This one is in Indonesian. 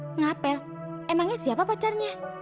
ngapel emangnya siapa pacarnya